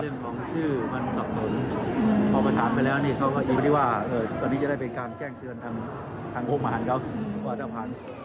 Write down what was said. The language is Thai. ของทางออกมากก็คือว่าต้องมี